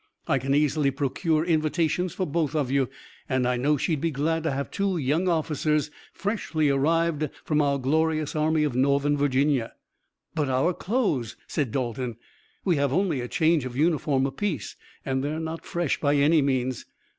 I can easily procure invitations for both of you, and I know that she would be glad to have two young officers freshly arrived from our glorious Army of Northern Virginia." "But our clothes!" said Dalton. "We have only a change of uniform apiece, and they're not fresh by any means."